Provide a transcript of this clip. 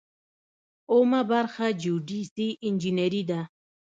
اوومه برخه جیوډیزي انجنیری ده.